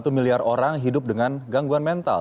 satu miliar orang hidup dengan gangguan mental